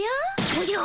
おじゃ！